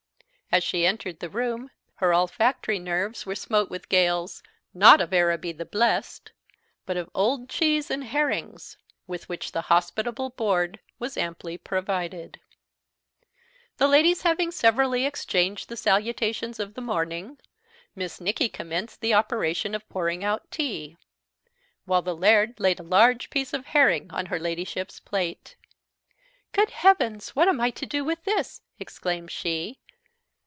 As she entered the room her olfactory nerves were smote with gales, not of "Araby the blest," but of old cheese and herrings, with which the hospitable board was amply provided. The ladies having severally exchanged the salutations of the morning, Miss Nicky commenced the operation of pouring out tea, while the Laird laid a large piece of herring on her Ladyship's plate. "Good heavens! what am I to do with this?" exclaimed she.